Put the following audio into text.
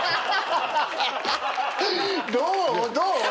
どう？